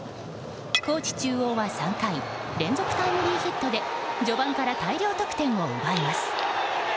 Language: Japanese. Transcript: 高知中央は３回連続タイムリーヒットで序盤から大量得点を奪います。